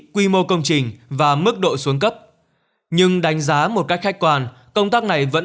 quy mô công trình và mức độ xuống cấp nhưng đánh giá một cách khách quan công tác này vẫn